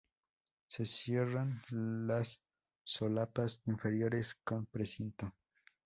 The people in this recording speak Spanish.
Se cierran las solapas inferiores con precinto.